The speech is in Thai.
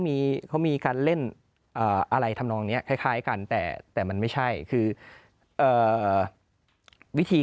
เขามีการเล่นอะไรทำนองนี้คล้ายกันแต่มันไม่ใช่คือวิธี